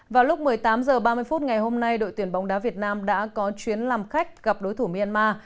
vào lúc một mươi tám h ba mươi phút ngày hôm nay đội tuyển bóng đá việt nam đã có chuyến làm khách gặp đối thủ myanmar